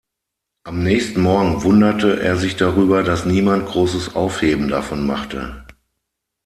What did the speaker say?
Am nächsten Morgen wunderte er sich darüber, dass niemand großes Aufheben davon machte.